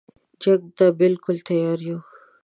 جنګ ته بالکل تیار یو.